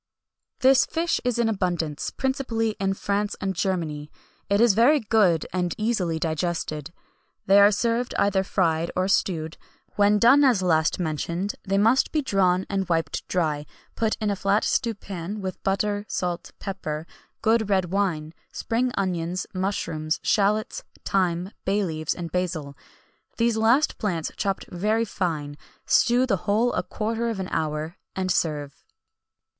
"This fish is in abundance, principally in France and Germany; it is very good, and easily digested. They are served either fried or stewed; when done as last mentioned, they must be drawn and wiped dry, put in a flat stewpan with butter, salt, pepper, good red wine, spring onions, mushrooms, shalots, thyme, bay leaves and basil these last plants chopped very fine; stew the whole a quarter of an hour, and serve."